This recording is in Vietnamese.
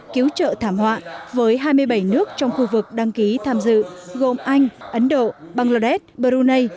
cứu trợ thảm họa với hai mươi bảy nước trong khu vực đăng ký tham dự gồm anh ấn độ bangladesh brunei